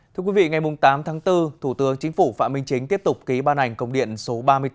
thưa quý vị ngày tám tháng bốn thủ tướng chính phủ phạm minh chính tiếp tục ký ban hành công điện số ba mươi bốn